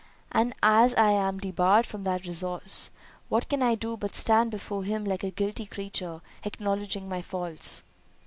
and as I am debarred from that resource, what can I do but stand before him like a guilty creature, acknowledging my faults."